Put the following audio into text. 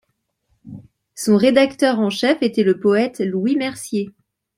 Son rédacteur en chef était le poète Louis Mercier.